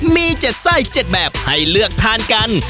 มี๗ไส้๗แบบให้เลือกทานกัน